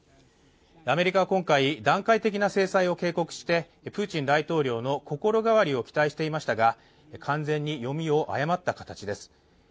アメリカは今回、段階的な制裁を警告してプーチン大統領の心変わりを期待していましたが完全に読みを誤った形です。